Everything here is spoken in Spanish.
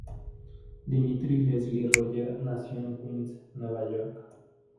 Dimitri Leslie Roger nació en Queens, Nueva York.